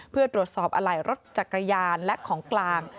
เพื่อตรวจสอบอะไหล่รถจักรยานและของกลาง